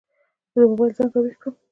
د موبایل زنګ را وېښ کړم.